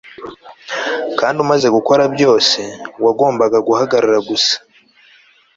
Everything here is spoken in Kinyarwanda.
kandi umaze gukora byose, wagombaga guhagarara gusa